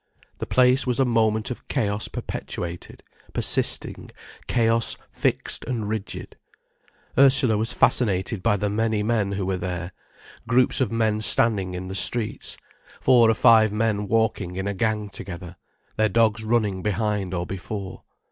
The place was a moment of chaos perpetuated, persisting, chaos fixed and rigid. Ursula was fascinated by the many men who were there—groups of men standing in the streets, four or five men walking in a gang together, their dogs running behind or before.